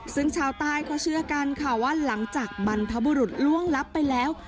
ซึ่งชาวใต้เขาเชื่อกันค่ะว่าหลังจากบรรพบุรุษล่วงลับไปแล้ว